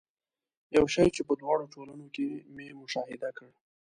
یو شی چې په دواړو ټولنو کې مې مشاهده کړ.